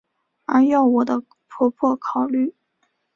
而要我的婆婆考虑！